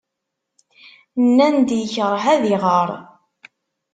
Nnan-d yekṛeh ad iɣer.